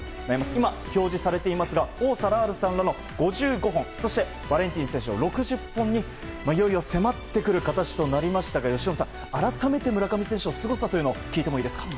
今、表示されていますが王貞治さんらのそしてバレンティン選手の６０本にいよいよ迫ってくる形となりましたが由伸さん、改めて村上選手のすごさを聞いていいですか。